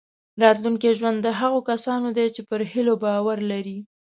راتلونکی ژوند د هغو کسانو دی چې پر هیلو باور لري.